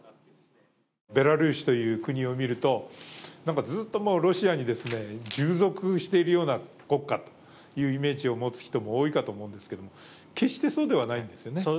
ベラルーシという国を見ると、ずっとロシアに従属しているような国家というイメージを持つ人も多いかと思うんですが決してそうではないんですよね？